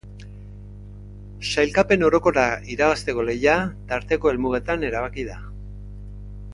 Sailkapen orokorra irabazteko lehia tarteko helmugetan erabaki da.